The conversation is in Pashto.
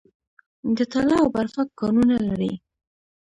د تاله او برفک کانونه لري